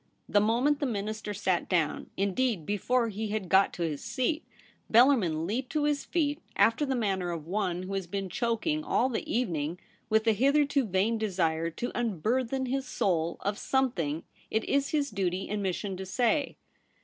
The moment the Minister sat down — in deed, before he had got to his seat — Bellarmin leaped to his feet after the manner of one who has been choking all the evening with the hitherto vain desire to unburthen his soul of some thing it is his duty and mission to say.